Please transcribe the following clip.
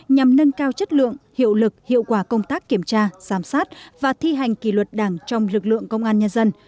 nhằm nâng cao chất lượng hiệu lực hiệu quả công tác kiểm tra giám sát và thi hành kỷ luật đảng trong lực lượng công an nhân dân